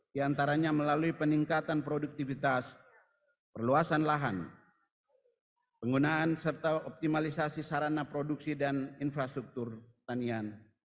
di antaranya melalui peningkatan produktivitas perluasan lahan penggunaan serta optimalisasi sarana produksi dan infrastruktur tanian